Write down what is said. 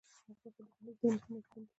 افغانستان د کندز سیند له مخې پېژندل کېږي.